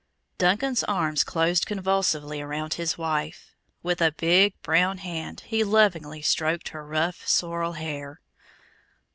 Duncan's arms closed convulsively around his wife. With a big, brown hand he lovingly stroked her rough, sorrel hair.